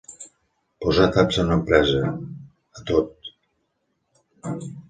Posar taps a una empresa, a tot.